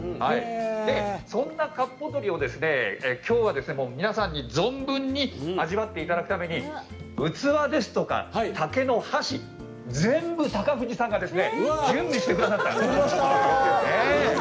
そんな、かっぽ鶏を今日は皆さんに存分に味わっていただくために器ですとか、竹の箸全部、高藤さんが準備してくださった。